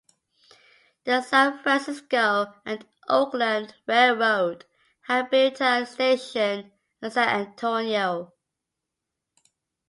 The San Francisco and Oakland Railroad had built a station at San Antonio.